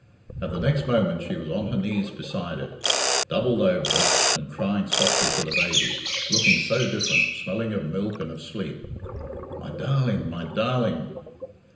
At the next moment she was on her knees beside it, doubled over it and crying softly to the baby, looking so different, smelling of milk and of sleep, "My darling! my darling!"